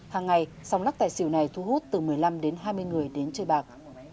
hàng ngày dòng lắc tài xỉu này thu hút từ một mươi năm đến hai mươi người đến chơi bạc